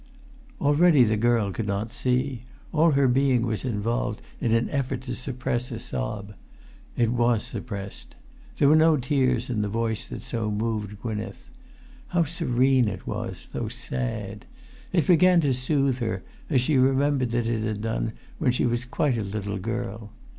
Already the girl could not see; all her being was involved in an effort to suppress a sob. It was suppressed. There were no tears in the voice that so moved Gwynneth. How serene it was, though sad! It began to soothe her, as she remembered that it had done when she was quite a little girl.